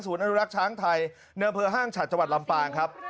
ศูนย์อนุรักษ์ช้างไทยเนื้อเผลอห้างฉันต์จลำปางครับ